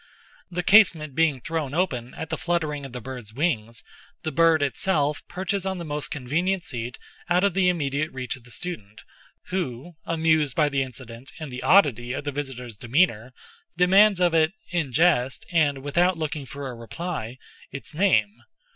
The casement being thrown open at the fluttering of the bird's wings, the bird itself perches on the most convenient seat out of the immediate reach of the student, who, amused by the incident and the oddity of the visitor's demeanor, demands of it, in jest and without looking for a reply, its name.